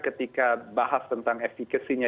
ketika bahas tentang efekasinya